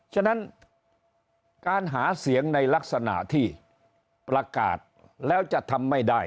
ฉะนั้นการหาเสียงในลักษณะที่ประกาศแล้วจะทำไม่ได้